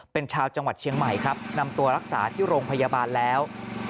เป็นชาวจังหวัดเชียงใหม่ครับนำตัวรักษาที่โรงพยาบาลแล้ว